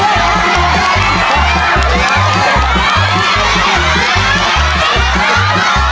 ไปที่นี่ค่ะ